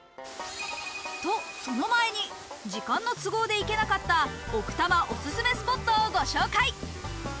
と、その前に時間の都合で行けなかった奥多摩オススメスポットをご紹介。